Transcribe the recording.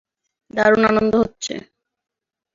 দারুণ আনন্দ হচ্ছে।